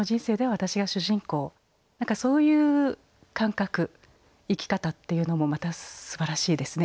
何かそういう感覚生き方っていうのもまたすばらしいですね。